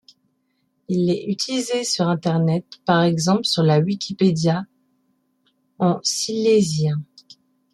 Il est utilisé sur Internet, par exemple sur la Wikipédia en silésien.